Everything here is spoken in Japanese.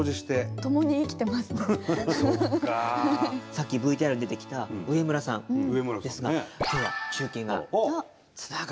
さっきＶＴＲに出てきた植村さんですが今日は中継がつながっていますよ。